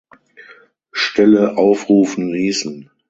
Stelle aufrufen ließen.